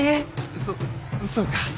そっそうか？